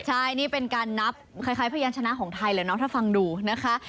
ใช่นี่เป็นการนับคล้ายพยานชนะของไทยเลยเนาะถ้าฟังดูนะคะ